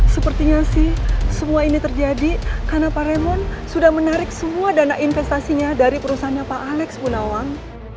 sepertinya sih semua ini terjadi karena pak remon sudah menarik semua dana investasinya dari perusahaannya pak alex gunawan